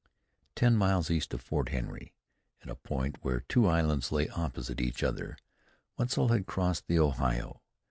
Ten miles east of Fort Henry, at a point where two islands lay opposite each other, Wetzel had crossed the Ohio.